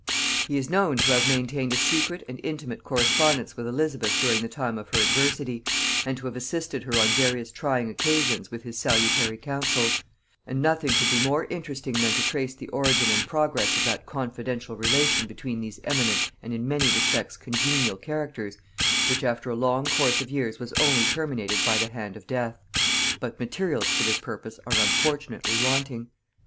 He is known to have maintained a secret and intimate correspondence with Elizabeth during the time of her adversity, and to have assisted her on various trying occasions with his salutary counsels; and nothing could be more interesting than to trace the origin and progress of that confidential relation between these eminent and in many respects congenial characters, which after a long course of years was only terminated by the hand of death; but materials for this purpose are unfortunately wanting.